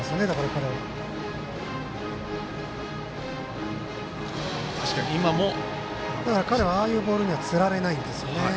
彼、だから、ああいうボールにはつられないんですよね。